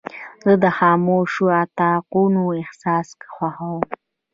زه د خاموشو اتاقونو احساس خوښوم.